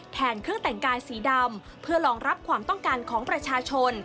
เครื่องแต่งกายสีดำเพื่อรองรับความต้องการของประชาชน